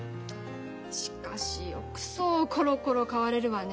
しかしよくそうコロコロ変われるわね。